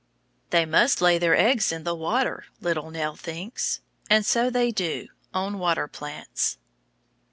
They must lay their eggs in the water, little Nell thinks. And so they do, on water plants.